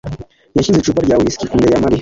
yashyize icupa rya whiski imbere ya Mariya.